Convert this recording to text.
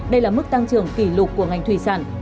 đây là mức tăng trưởng kỷ lục của ngành thủy sản